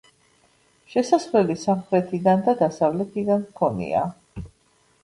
შესასვლელი სამხრეთიდან და დასავლეთიდან ჰქონია.